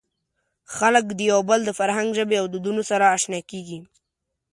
خلک د یو بل د فرهنګ، ژبې او دودونو سره اشنا کېږي.